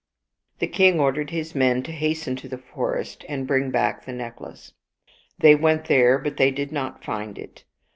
The king ordered his men to hasten to the forest and bring back the necklace. They went there, but they did not find it.